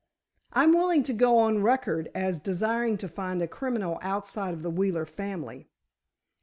I'm willing to go on record as desiring to find a criminal outside of the Wheeler family.